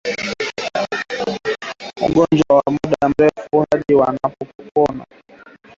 ugonjwa kwa muda mrefu hadi wanapopona